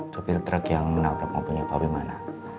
copil truck yang menabrak mobilnya pak wimana